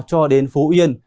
cho đến phú yên